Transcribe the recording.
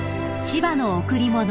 ［『千葉の贈り物』］